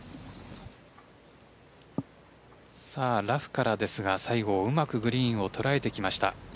ラフからですが西郷、うまくグリーンを捉えてきました。